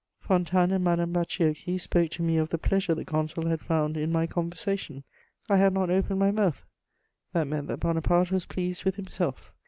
Fontanes and Madame Bacciochi spoke to me of the pleasure the Consul had found in "my conversation:" I had not opened my mouth; that meant that Bonaparte was pleased with himself.